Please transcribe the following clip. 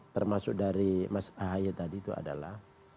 termasuk dari mas ahaye tadi itu adalah